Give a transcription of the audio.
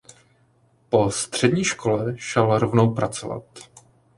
Po střední škole šel rovnou pracovat.